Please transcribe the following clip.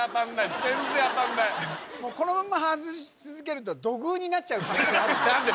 もうこのまんま外し続けると土偶になっちゃう可能性あるよね